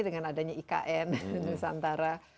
dengan adanya ikn nusantara